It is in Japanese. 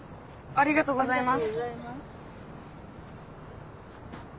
ありがとうございます。